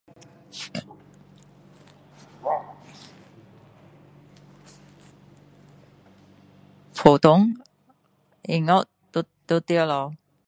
普通音乐都都。。。